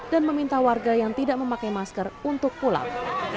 dan meminta warga yang tidak memakai masker untuk pulang